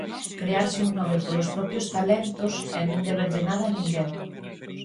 Crearse un nome polos propios talentos, é non deberlle nada a ninguén.